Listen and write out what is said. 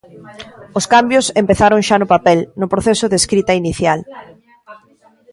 Os cambios empezaron xa no papel, no proceso de escrita inicial.